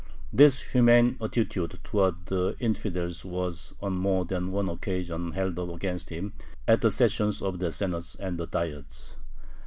This humane attitude towards the "infidels" was on more than one occasion held up against him at the sessions of the Senate and the Diets.